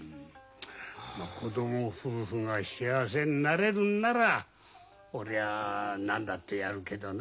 子供夫婦が幸せになれるんなら俺は何だってやるけどな。